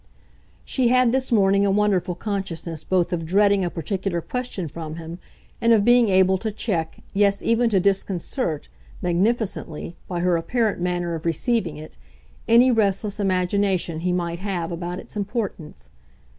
She had this morning a wonderful consciousness both of dreading a particular question from him and of being able to check, yes even to disconcert, magnificently, by her apparent manner of receiving it, any restless imagination he might have about its importance.